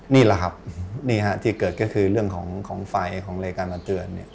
นี่แหละครับนี่ฮะที่เกิดก็คือเรื่องของไฟของรายการมาเตือน